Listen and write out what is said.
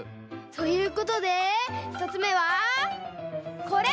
ということでひとつめはこれ！